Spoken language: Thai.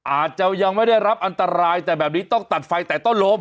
อาจจะยังไม่ได้รับอันตรายแต่แบบนี้ต้องตัดไฟแต่ต้นลม